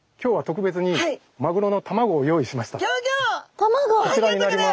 こちらになります。